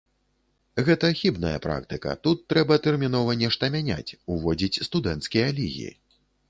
Гэта хібная практыка, тут трэба тэрмінова нешта мяняць, уводзіць студэнцкія лігі.